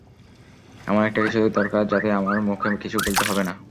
এমন একটা কিছু দরকার যাতে আমার মুখে কিছু বলতে হবে না।